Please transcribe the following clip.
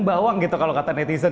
dan membawang gitu kalau kata netizen